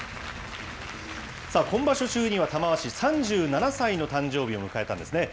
今場所中には玉鷲３７歳の誕生日を迎えたんですね。